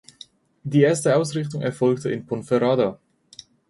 Die erste Ausrichtung erfolgte in Ponferrada.